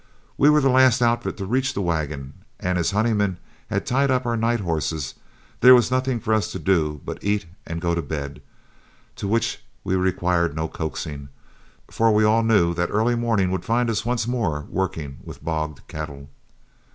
We were the last outfit to reach the wagon, and as Honeyman had tied up our night horses, there was nothing for us to do but eat and go to bed, to which we required no coaxing, for we all knew that early morning would find us once more working with bogged cattle.